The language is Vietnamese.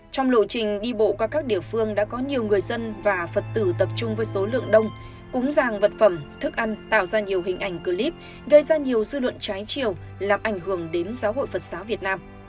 trong lộ trình đi bộ qua các địa phương đã có nhiều người dân và phật tử tập trung với số lượng đông cúng giàng vật phẩm thức ăn tạo ra nhiều hình ảnh clip gây ra nhiều dư luận trái chiều làm ảnh hưởng đến giáo hội phật giáo việt nam